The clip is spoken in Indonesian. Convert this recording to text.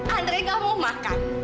andre tidak mau makan